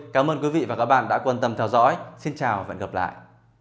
cảm ơn quý vị và các bạn đã quan tâm theo dõi xin chào và hẹn gặp lại